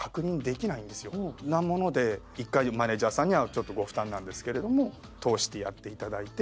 なもので１回マネジャーさんにはちょっとご負担なんですけれども通してやっていただいて。